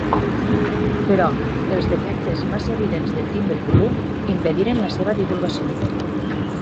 Però, els defectes massa evidents de timbre i volum impediren la seva divulgació.